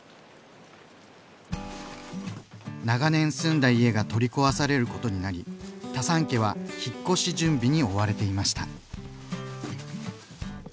長年住んだ家が取り壊されることになりタサン家は引っ越し準備に追われていました。